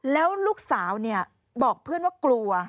แล้วลูกสาวบอกเพื่อนว่ากลัว